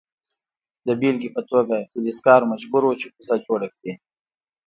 د بیلګې په توګه فلزکار مجبور و چې کوزه جوړه کړي.